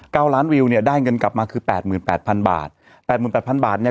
ล้านวิวเนี่ยได้เงินกลับมาคือแปดหมื่นแปดพันบาทแปดหมื่นแปดพันบาทเนี้ย